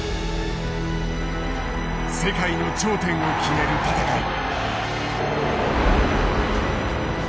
世界の頂点を決める戦い。